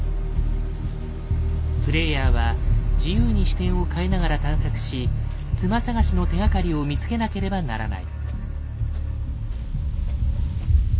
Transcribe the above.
プレイヤーは自由に視点を変えながら探索し妻探しの手がかりを見つけなければならない。